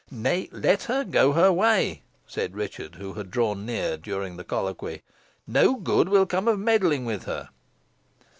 "Nay, let her go her way," said Richard, who had drawn near during the colloquy. "No good will come of meddling with her."